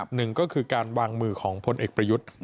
หนึ่งก็คือการวางมือของพลเอกประยุทธ์